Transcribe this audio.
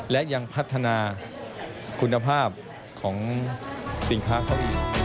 และยังพัฒนาคุณภาพของสินค้าเขาอีก